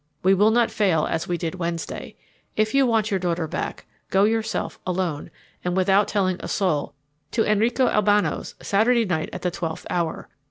We will not fail as we did Wednesday. If you want your daughter back, go yourself, alone and without telling a soul, to Enrico Albano's Saturday night at the twelfth hour.